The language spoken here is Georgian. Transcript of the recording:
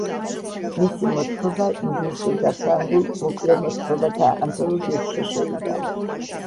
მისი მოთხრობა ინგლისურ და ფრანგულ მოკლე მოთხრობათა ანთოლოგიებში შევიდა.